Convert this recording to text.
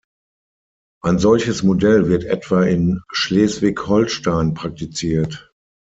Ein solches Modell wird etwa in Schleswig-Holstein praktiziert.